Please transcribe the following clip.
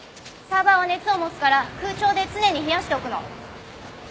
サーバーは熱を持つから空調で常に冷やしておくの。